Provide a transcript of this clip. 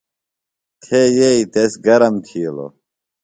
تھے یئیی تس گرم تِھیلوۡ۔